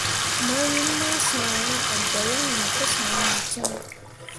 Mawin masǝ̃he a gbǝ yaŋ ahe pǝ sah no cam.